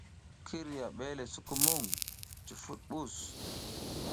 Ki hiriya ɓe le sukumuƞ, cufuɗ mɓus.